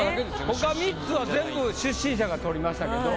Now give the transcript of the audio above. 他３つは全部出身者が取りましたけど。